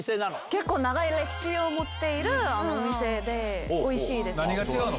結構長い歴史を持っているお店で、何が違うの？